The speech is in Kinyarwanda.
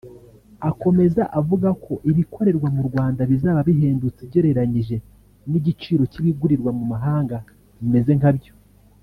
Akomeza avuga ko ibikorerwa mu Rwanda bizaba bihendutse ugereranije n’igiciro cy’ibigurirwa mu mahanga bimeze nkabyo